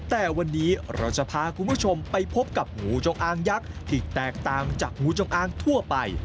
แต่วันนี้เราจะพาคุณผู้ชมไปพบกับงูจงอางยักษ์ที่แตกต่างจากงูจงอางทั่วไป